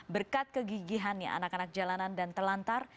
berkat kegigihannya anak anak jalanan dan telantar